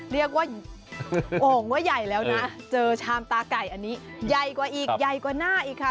เรียกว่าโอ่งว่าใหญ่แล้วนะเจอชามตาไก่อันนี้ใหญ่กว่าอีกใหญ่กว่าหน้าอีกค่ะ